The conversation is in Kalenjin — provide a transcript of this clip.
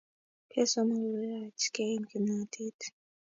kesoman kokekachkei kimnatet